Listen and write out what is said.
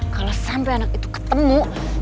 kalau sampai anak itu ketemu